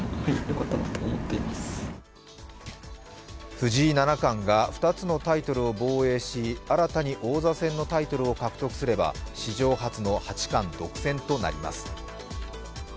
藤井七冠が２つのタイトルを防衛し、新たに王座戦のタイトルを獲得すれば史上初の八冠独占となります。